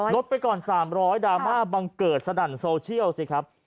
ดไปก่อน๓๐๐ดราม่าบังเกิดสนั่นโซเชียลสิครับ